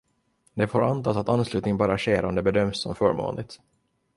Det får antas att anslutning bara sker om det bedöms som förmånligt.